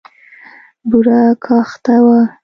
بوره کاخته وه.